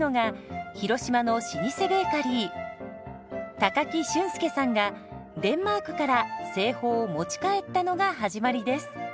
高木俊介さんがデンマークから製法を持ち帰ったのが始まりです。